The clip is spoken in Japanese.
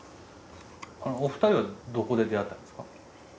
お二人はどこで出会ったんですか？